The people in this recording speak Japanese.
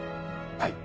はい